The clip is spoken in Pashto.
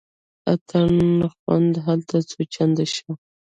اتڼ خوند هلته څو چنده شو.